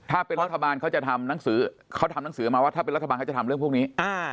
ถ้าเป็นรัฐบาลเขาจะทำนังสือมาว่าเขาทำเรื่องพวกนี้